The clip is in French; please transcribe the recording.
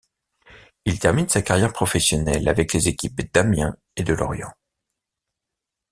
Il termine sa carrière professionnelle avec les équipes d'Amiens et de Lorient.